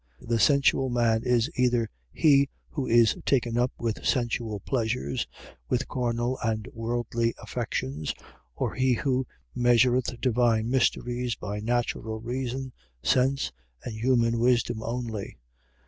. .The sensual man is either he who is taken up with sensual pleasures, with carnal and worldly affections; or he who measureth divine mysteries by natural reason, sense, and human wisdom only.